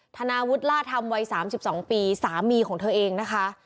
ธนาวุฒิล่าธรรมวัย๓๒ปีสามีของเธอเองนะคะ